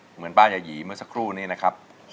เหมือนป้ายายีเมื่อสักครู่นี้นะครับ